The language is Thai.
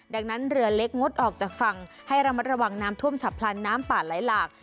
ดังนั้นเรือเล็กงดออกจากฝั่งให้ระมัดระวังน้ำท่วมฉับพลันน้ำป่าไหลหลาก